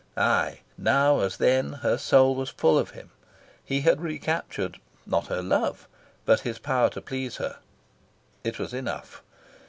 Aye, now as then, her soul was full of him. He had recaptured, not her love, but his power to please her. It was enough.